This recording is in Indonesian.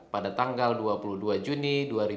pada tanggal dua puluh dua juni dua ribu dua puluh